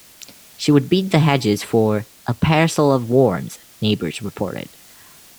She would beat the hedges for "a parcel of wormes", neighbours reported.